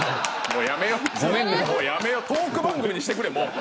もうやめようトーク番組にしてくれもう。